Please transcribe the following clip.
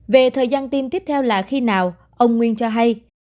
về thời gian tim tiếp theo là khi nào ông nguyên cho hay